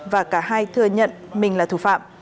và cả hai thừa nhận mình là thủ phạm